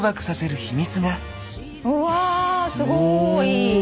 うわすごい！